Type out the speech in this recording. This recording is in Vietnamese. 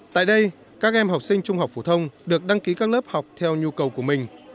tại đây các em học sinh trung học phổ thông được đăng ký các lớp học theo nhu cầu của mình